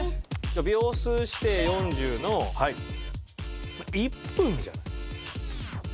秒数指定４０の１分じゃない？